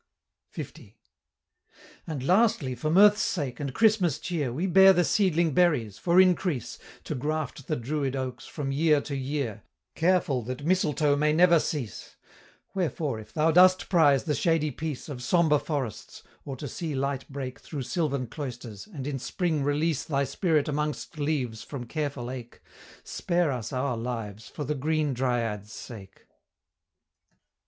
L. "And, lastly, for mirth's sake and Christmas cheer, We bear the seedling berries, for increase, To graft the Druid oaks, from year to year, Careful that mistletoe may never cease; Wherefore, if thou dost prize the shady peace Of sombre forests, or to see light break Through sylvan cloisters, and in spring release Thy spirit amongst leaves from careful ake, Spare us our lives for the Green Dryad's sake."